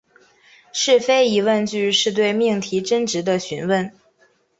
是非疑问句是对命题真值的询问。